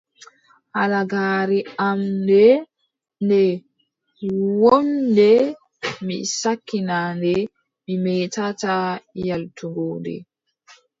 Halagaare am ndee, nde wooɗnde, mi sakkina nde, mi meetataa yaaltugo nde.